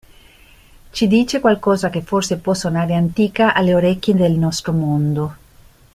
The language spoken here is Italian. Ci dice qualcosa che forse può suonare antica alle orecchie del nostro mondo.